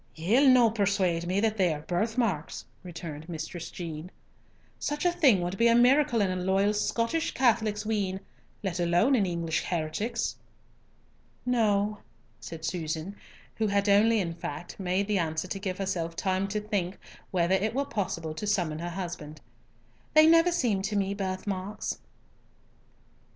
"Ye'll no persuade me that they are birth marks," returned Mistress Jean. "Such a thing would be a miracle in a loyal Scottish Catholic's wean, let alone an English heretic's." "No," said Susan, who had in fact only made the answer to give herself time to think whether it were possible to summon her husband. "They never seemed to me birth marks."